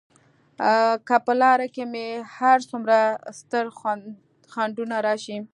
که په لار کې مې هر څومره ستر خنډونه راشي.